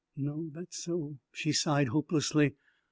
"No, that's so." She sighed hopelessly.